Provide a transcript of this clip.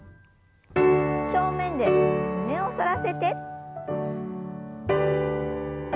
正面で胸を反らせて。